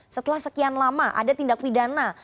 setelah sekian lama ada tindak pidana